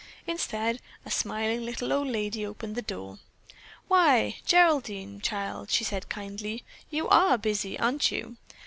Instead a smiling little old lady opened the door. "Why, Geraldine, child," she said kindly, "you are busy, aren't you?